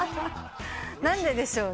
何ででしょうね？